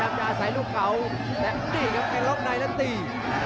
อยากจะอาศัยลูกเก่าแต่นี่ครับไอล็อคไนต์แล้วตี